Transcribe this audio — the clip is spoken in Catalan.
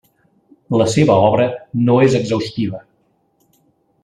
La seva obra no és exhaustiva.